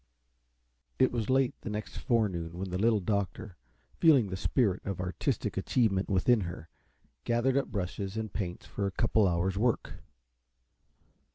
It was late the next forenoon when the Little Doctor, feeling the spirit of artistic achievement within her, gathered up brushes and paints for a couple hours' work.